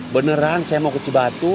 beneran saya mau ke cibatu